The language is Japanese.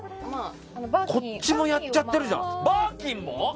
こっちもやっちゃってるじゃん。